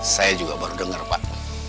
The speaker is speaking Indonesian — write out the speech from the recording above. saya juga baru dengar pak